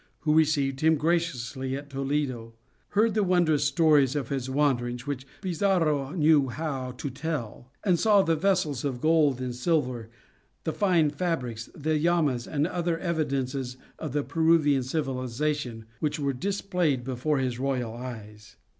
who received him graciously at Toledo, heard the wondrous story of his wanderings, which Pizarro knew how to tell, and saw the vessels of gold and silver, the fine fabrics, the llamas, and other evidences of the Peruvian civilization, which were displayed before his royal eyes.